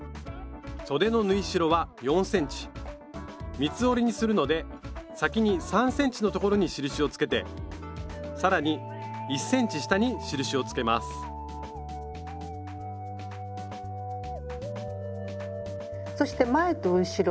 三つ折りにするので先に３ｃｍの所に印をつけて更に１ｃｍ下に印をつけますそして前と後ろ。